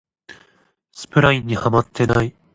スプラインにハマってない